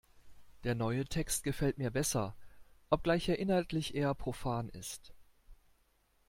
Der neue Text gefällt mir besser, obgleich er inhaltlich eher profan ist.